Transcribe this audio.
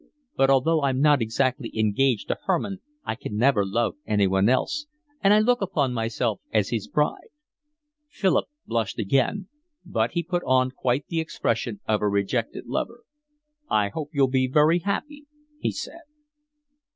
But although I'm not exactly engaged to Hermann I can never love anyone else, and I look upon myself as his bride." Philip blushed again, but he put on quite the expression of a rejected lover. "I hope you'll be very happy," he said.